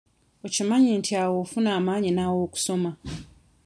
Okimanyi nti awo ofuna amaanyi naawe okusoma?